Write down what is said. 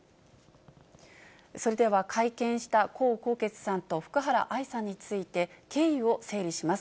それでは、会見した江宏傑さんと福原愛さんについて、経緯を整理します。